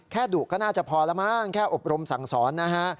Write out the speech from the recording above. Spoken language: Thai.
ดุก็น่าจะพอแล้วมั้งแค่อบรมสั่งสอนนะฮะ